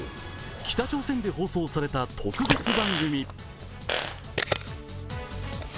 北朝鮮で放送された特別番組。